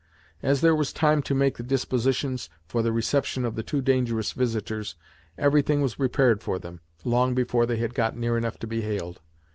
As there was time to make the dispositions for the reception of the two dangerous visitors, everything was prepared for them, long before they had got near enough to be hailed.